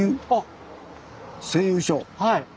はい。